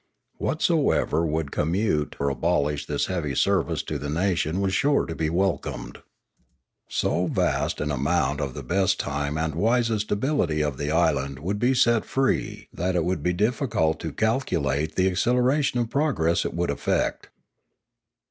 Whatsoever would commute or abolish this heavy service to the nation was sure to be welcomed. So vast an amount 446 Limanora of the best time and wisest ability of the island would be set free that it would be difficult to calculate the acceleration of progress it would effect.